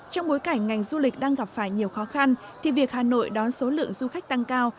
trong bối cảnh ngành du lịch đang gặp phải nhiều khó khăn thì việc hà nội đón số lượng du khách tăng cao